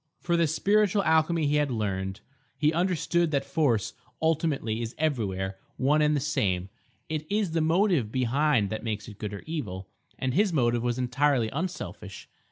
For this spiritual alchemy he had learned. He understood that force ultimately is everywhere one and the same; it is the motive behind that makes it good or evil; and his motive was entirely unselfish.